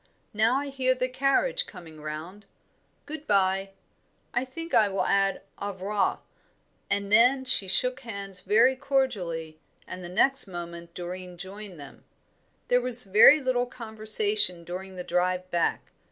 Now I hear the carriage coming round. Good bye. I think I will add au revoir;" and then she shook hands very cordially, and the next moment Doreen joined them. There was very little conversation during the drive back.